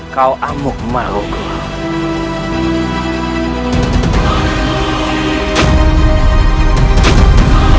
kau amuk maluku